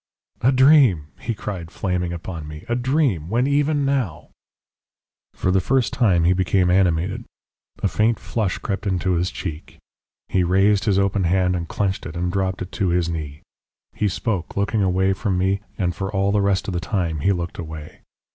"A dream!" he cried, flaming upon me, "a dream when even now " For the first time he became animated. A faint flush crept into his cheek. He raised his open hand and clenched it, and dropped it to his knee. He spoke, looking away from me, and for all the rest of the time he looked away.